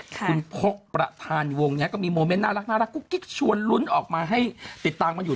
คุณพกประธานวงเนี่ยก็มีโมเมนต์น่ารักกุ๊กกิ๊กชวนลุ้นออกมาให้ติดตามกันอยู่